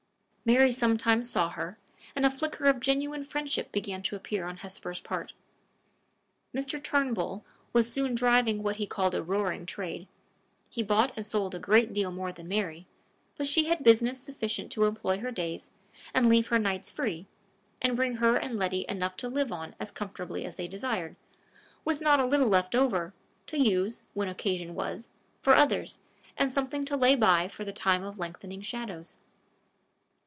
Mary sometimes saw her, and a flicker of genuine friendship began to appear on Hesper's part. Mr. Turnbull was soon driving what he called a roaring trade. He bought and sold a great deal more than Mary, but she had business sufficient to employ her days, and leave her nights free, and bring her and Letty enough to live on as comfortably as they desired with not a little over, to use, when occasion was, for others, and something to lay by for the time of lengthening shadows.